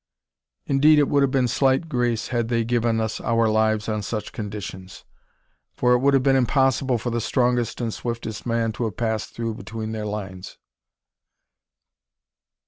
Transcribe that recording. Indeed, it would have been slight grace had they given us our lives on such conditions; for it would have been impossible for the strongest and swiftest man to have passed through between their lines.